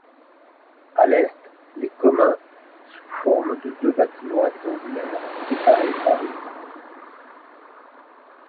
À l'est, des communs sous forme de deux bâtiments rectangulaires séparés par une cour.